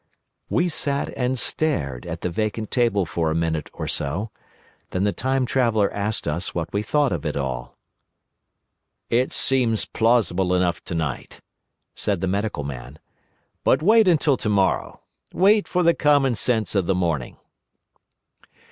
We sat and stared at the vacant table for a minute or so. Then the Time Traveller asked us what we thought of it all. "It sounds plausible enough tonight," said the Medical Man; "but wait until tomorrow. Wait for the common sense of the morning."